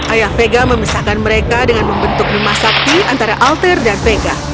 ayah vega memisahkan mereka dengan membentuk rumah sakti antara alter dan vega